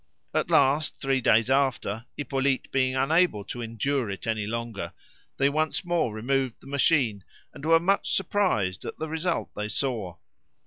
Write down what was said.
At last, three days after, Hippolyte being unable to endure it any longer, they once more removed the machine, and were much surprised at the result they saw.